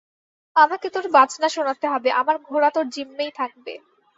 আমাকে তোর বাজনা শোনাতে হবে, আমার ঘোড়া তোর জিম্মেয় থাকবে।